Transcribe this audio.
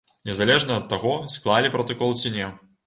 Незалежна ад таго, склалі пратакол ці не.